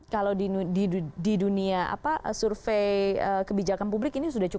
kalau di dunia survei kebijakan publik ini sudah cukup